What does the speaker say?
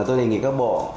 tôi đề nghị các bộ